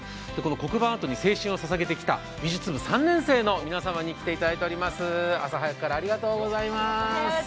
黒板アートに青春をささげてきた美術部３年生の皆様に来ていただいております。